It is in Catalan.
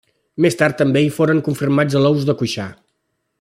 Més tard també hi foren confirmats alous de Cuixà.